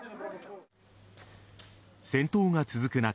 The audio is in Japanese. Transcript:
戦闘が続く中